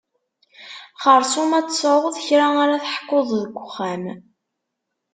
Xersum ad tesεuḍ kra ara teḥkuḍ deg uxxam.